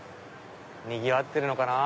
にぎわってるのかな。